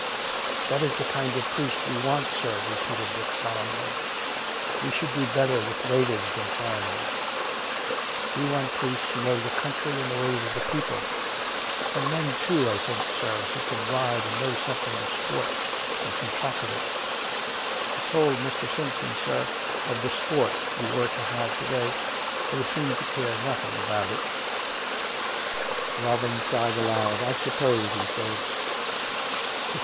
" That is the kind of priest we want, sir," repeated Dick solemnly. " We should do better with natives than foreigners. We want priests who know the county and the ways of the people — and men too, I think, sir, who can ride and know something of sport, and can talk of it. I told Mr. Simpson, sir, of the sport we were to have to day, and he seemed to care nothing about it !" Robin sighed aloud. " I suppose so," he said.